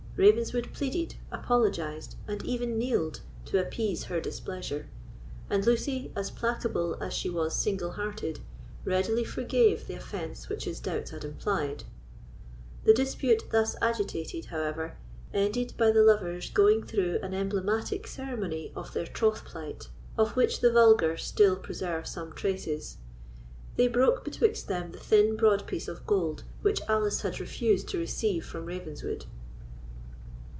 Ravenswood pleaded, apologised, and even kneeled, to appease her displeasure; and Lucy, as placable as she was single hearted, readily forgave the offence which his doubts had implied. The dispute thus agitated, however, ended by the lovers going through an emblematic ceremony of their troth plight, of which the vulgar still preserve some traces. They broke betwixt them the thin broad piece of gold which Alice had refused to receive from Ravenswood.